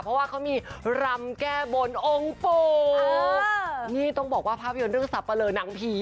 เพราะว่าเขามีรำแก้บนองค์ปู่นี่ต้องบอกว่าภาพยนตร์เรื่องสับปะเลอหนังผี